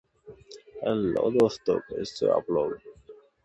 The family were originally from East Lothian.